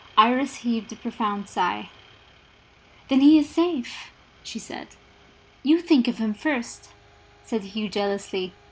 Iris heaved a profound sigh. "Then he is safe?" she said. "You think of him first," said Hugh, jealously.